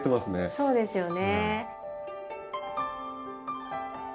そうですね。